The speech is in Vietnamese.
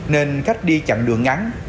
nên khách đi chặn đường ngắn